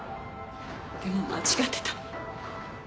でも間違ってた。